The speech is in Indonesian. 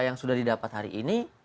yang sudah didapat hari ini